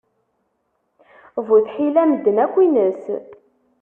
Bu tḥila, medden akk ines.